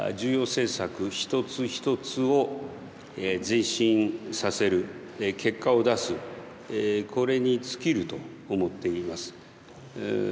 政策一つ一つを前進させる結果を出す、これに尽きると思っています。